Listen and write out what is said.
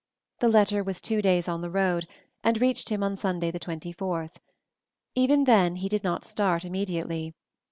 The letter was two days on the road, and reached him on Sunday the 24th. Even then he did not start immediately.